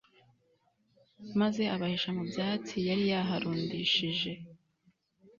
maze abahisha mu byatsi yari yaharundishije